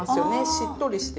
しっとりして。